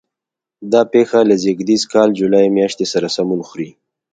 دا پېښه له زېږدیز کال جولای میاشتې سره سمون خوري.